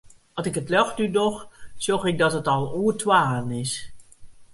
At ik it ljocht útdoch, sjoch ik dat it al oer twaen is.